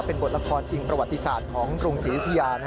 เป็นบทละครอิงประวัติศาสตร์ของกรุงศรียุธยา